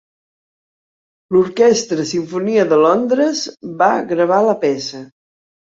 L'orquestra Sinfonia de Londres va gravar la peça.